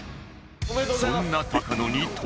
そんな高野に突撃